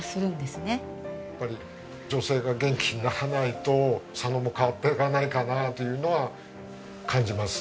やっぱり女性が元気にならないと佐野も変わっていかないかなというのは感じます。